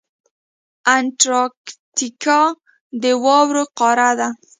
انټارکټیکا د واورو قاره ده.